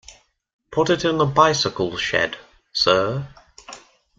Put it in the bicycle shed, sir.